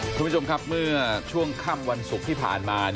คุณผู้ชมครับเมื่อช่วงค่ำวันศุกร์ที่ผ่านมา